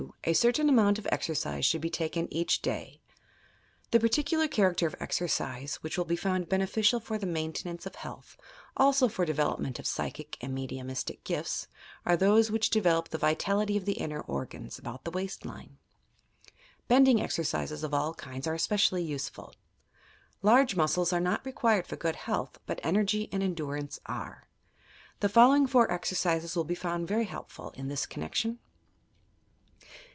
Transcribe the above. A certain amount of exercise should be taken each day. The particular character of exercise which will be found beneficial for the maintenance of health, also for the development of psychic and mediumistic gifts, are those which develop the vitality of the inner organa, about the waist line. Bending exercises of all kinds are especially useful. Large muscles are not required for good health, but energy and endurance are. The following four exercises will be found very helpful, in this connection.